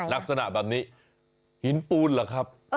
ลักษณะแบบนี้หินปูนเหรอครับ